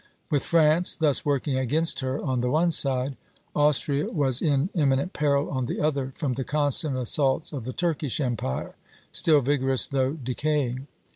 With France thus working against her on the one side, Austria was in imminent peril on the other from the constant assaults of the Turkish Empire, still vigorous though decaying.